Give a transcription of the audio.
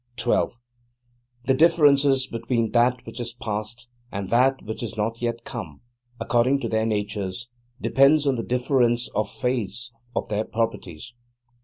12. The difference between that which is past and that which is not yet come, according to their natures, depends on the difference of phase of their properties.